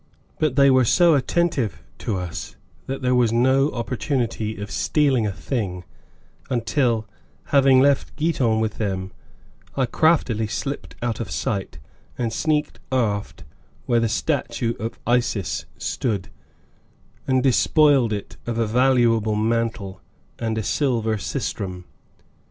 But they were so attentive to us that there was no opportunity of stealing a thing until, having left Giton with them, I craftily slipped out of sight and sneaked aft where the statue of Isis stood, and despoiled it of a valuable mantle and a silver sistrum.